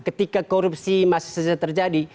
ketika korupsi masih saja terjadi